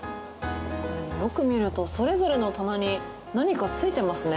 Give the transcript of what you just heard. でもよく見ると、それぞれの棚に何かついてますね。